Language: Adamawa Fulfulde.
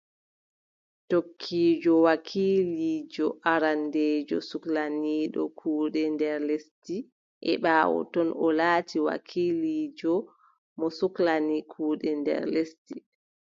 Tokkiijo wakiiliijo arandeejo suklaniiɗo kuuɗe nder lesdi, e ɓaawo ton, o laati wakiiliijo mo suklani kuuɗe nder lesdi .